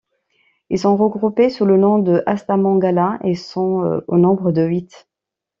Ils sont regroupés sous le nom de astamangala et sont au nombre de huit.